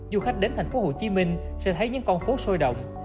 du khách đến tp hcm sẽ thấy những con phố sôi động